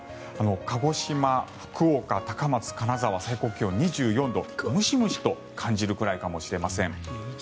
鹿児島、福岡、高松、金沢最高気温２４度ムシムシと感じるくらいかもしれません。